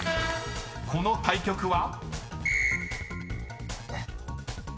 ［この対局は？］